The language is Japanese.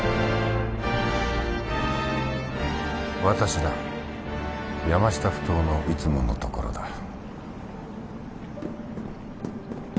私だ山下ふ頭のいつもの所だ